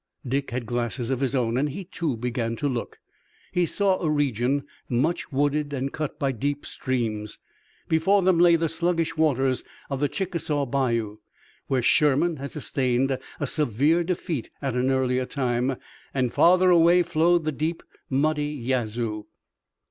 Dick had glasses of his own, and he, too, began to look. He saw a region much wooded and cut by deep streams. Before them lay the sluggish waters of Chickasaw Bayou, where Sherman had sustained a severe defeat at an earlier time, and farther away flowed the deep, muddy Yazoo.